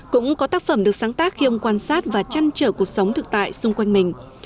cũng có tác phẩm được sáng tác khi ông quan sát và chăn trở cuộc sống thực tại xung quanh mình